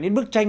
đến bức tranh